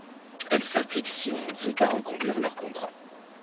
Elle s’applique si on ne veut pas reconduire leur contrat.